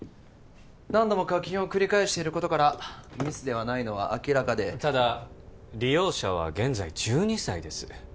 何度も課金を繰り返していることからミスではないのは明らかでただ利用者は現在１２歳です